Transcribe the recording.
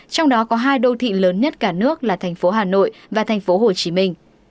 trong đó có hai đô thị lớn nhất cả nước là thành phố hà nội và thành phố hồ chí minh